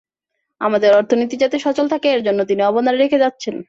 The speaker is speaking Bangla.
আমাদের অর্থনীতি যাতে সচল থাকে, তার জন্য তিনি অবদান রেখে যাচ্ছেন।